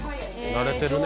慣れてるね。